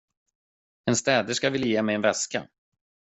En städerska ville ge mig en väska.